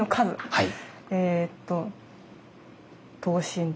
はい。